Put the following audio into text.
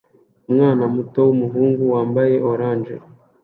Umwana muto wumuhungu wambaye orange